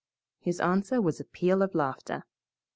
His answer was a peal of laughter.